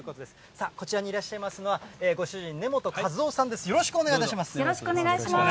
さあ、こちらにいらっしゃいますのは、ご主人、よろしくお願いします。